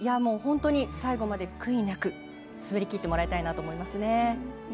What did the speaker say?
本当に最後まで悔いなく滑りきってもらいたいなと思いますね。